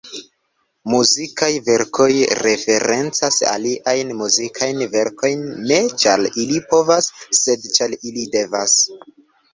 Muzikaj verkoj referencas aliajn muzikajn verkojn, ne ĉar ili povas, sed ĉar ili devas.